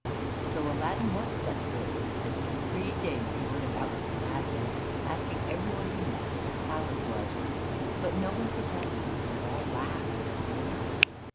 So Aladdin was set free, and for three days he went about like a madman, asking every one he met where his palace was. But no one could tell him, and all laughed at his misery.